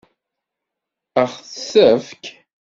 Ad ɣ-t-tefk?